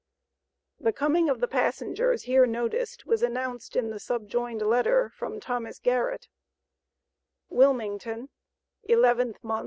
The coming of the passengers here noticed was announced in the subjoined letter from Thomas Garrett: WILMINGTON, 11th Mo.